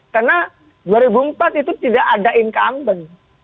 karena dua ribu empat itu tidak ada income bank